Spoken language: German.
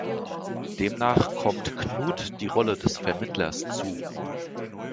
Demnach kommt Knut die Rolle des Vermittlers zu.